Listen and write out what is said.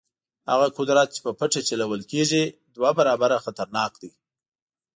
هغه قدرت چې په پټه چلول کېږي دوه برابره خطرناک دی.